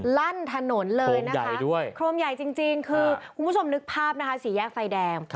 ลั่นถนนเลยนะคะโครมใหญ่จริงคือคุณผู้ชมนึกภาพนะคะสี่แยกไฟแดง